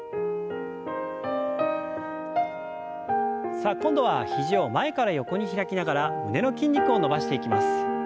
さあ今度は肘を前から横に開きながら胸の筋肉を伸ばしていきます。